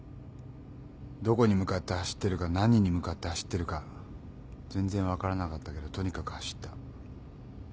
どこに向かって走ってるか何に向かって走ってるか全然分からなかったけどとにかく走った。